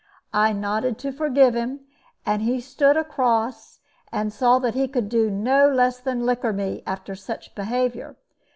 I nodded to forgive him, and he stood across, and saw that he could do no less than liquor me, after such behavior.